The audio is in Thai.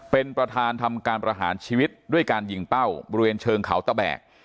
เป็นประธานทำการประหารชีวิตด้วยการยิงเป้าบริเวณเชิงเขาตะแบก